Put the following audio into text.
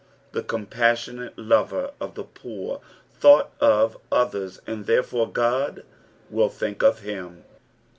Tlie compassionate loferot the poor thought of others, and therefore God will think of him.